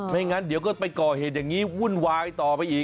งั้นเดี๋ยวก็ไปก่อเหตุอย่างนี้วุ่นวายต่อไปอีก